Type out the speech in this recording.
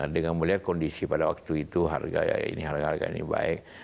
dengan melihat kondisi pada waktu itu harga harga ini baik